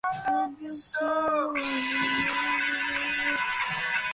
ওখানে কী কী অস্ত্র আছে আন্দাজ করতে পারছো?